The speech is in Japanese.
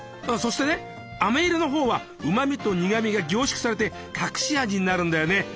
そしてねあめ色の方はうまみと苦みが凝縮されて隠し味になるんだよね。